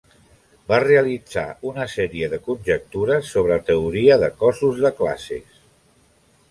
Va realitzar una sèrie de conjectures sobre teoria de cossos de classes.